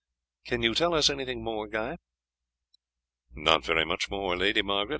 Can you tell us anything more, Guy?" "Not very much more, Lady Margaret.